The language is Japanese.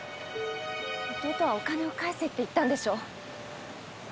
弟はお金を返せって言ったんでしょ？